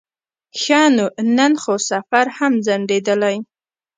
ښه نو نن خو سفر هم ځنډېدلی.